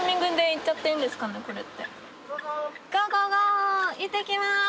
行ってきます！